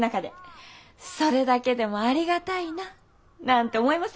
それだけでもありがたいななんて思いません？